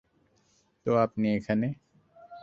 তো আপনি এখানে?